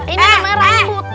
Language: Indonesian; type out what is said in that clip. ini merah rambut